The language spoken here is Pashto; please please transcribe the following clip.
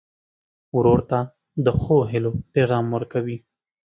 ورور ته د ښو هيلو پیغام ورکوې.